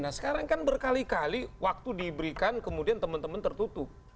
nah sekarang kan berkali kali waktu diberikan kemudian teman teman tertutup